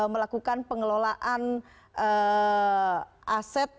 melakukan pengelolaan aset